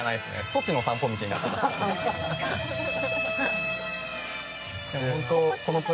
ソチの散歩道になってますね。